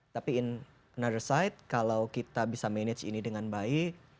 tapi in nether side kalau kita bisa manage ini dengan baik